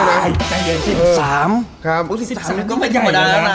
๑๓โอ้๑๓นี่ก็ไม่ใหญ่เหมือนกันนะ